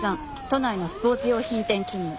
都内のスポーツ用品店勤務。